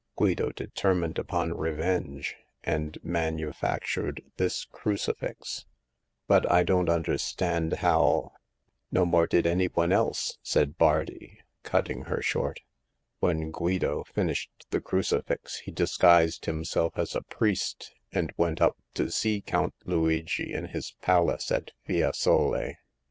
Guido determined upon revenge, and manu factured this crucifix." But I don't understand how "" No more did any one else," said Bardi, cut ting her short. "When Guido finished the crucifix he disguised himself as a priest, and went up to see Count Luigi in his paUc^ ^1 ¥\sj^\r,. Ii6 Hagar of the Pawn Shop.